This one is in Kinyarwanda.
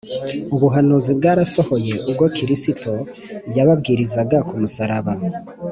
ubuhanuzi bwarasohoye ubwo kristo yababarizwaga ku musaraba